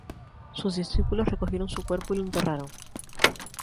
Sus discípulos recogieron su cuerpo y lo enterraron.